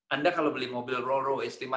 anda kalau membeli mobil rolls royce